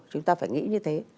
chúng ta phải nghĩ như thế